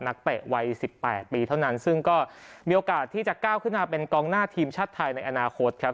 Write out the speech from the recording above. เตะวัย๑๘ปีเท่านั้นซึ่งก็มีโอกาสที่จะก้าวขึ้นมาเป็นกองหน้าทีมชาติไทยในอนาคตครับ